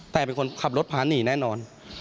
แต่เป็นคนขับรถพาหนีแน่นอน